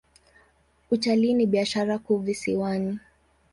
Utalii ni biashara kuu visiwani.